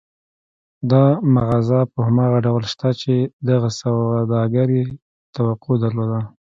دا مغازه په هماغه ډول شته چې دغه سوداګر يې توقع درلوده.